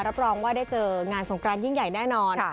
รับรองว่าได้เจองานสงกรานยิ่งใหญ่แน่นอน